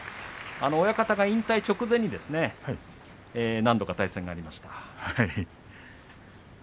親方が引退直前に何度か対戦がありました。